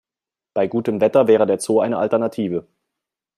Bei gutem Wetter wäre der Zoo eine Alternative.